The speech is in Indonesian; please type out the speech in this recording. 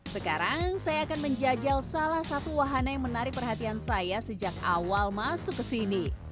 sekarang saya akan menjajal salah satu wahana yang menarik perhatian saya sejak awal masuk ke sini